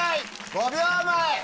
５秒前！